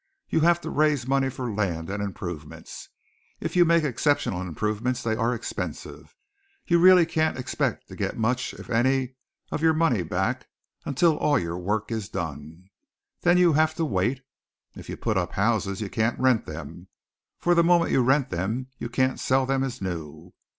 You have to raise money for land and improvements. If you make exceptional improvements they are expensive. You really can't expect to get much, if any, of your money back, until all your work is done. Then you have to wait. If you put up houses you can't rent them, for the moment you rent them, you can't sell them as new.